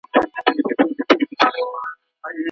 که ښاروالي له خلګو سره مشوره وکړي، نو ناسمي پریکړې نه کیږي.